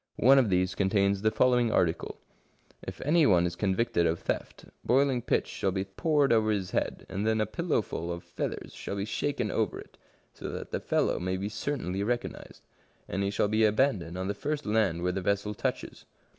One of these contains the following article :—" If any one is convicted of theft, boiling pitch shall be poured over his head, and then a pillowful of feathers shall be shaken over it, so that the fellow may be certainly recognised. And he shall be abandoned on the first land where the vessel touches."